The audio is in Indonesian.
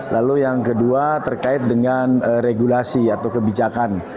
lalu yang kedua terkait dengan regulasi atau kebijakan